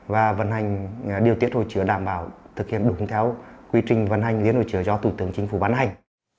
và vận hành điều tiết hồi chứa đảm bảo thực hiện đúng theo quy trình vận hành liên hồi chứa do tổng tướng chính phủ vận hành